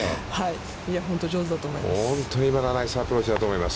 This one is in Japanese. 本当に上手だと思います。